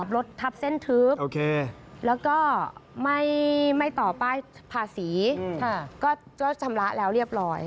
รถทับเส้นทึบแล้วก็ไม่ต่อป้ายภาษีก็ชำระแล้วเรียบร้อย